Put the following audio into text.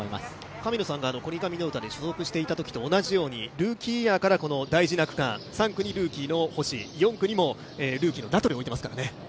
神野さんがコニカミノルタに所属していたときと同じようにルーキーイヤーから大事な区間、３区にルーキーの星４区にもルーキーを置いていますからね。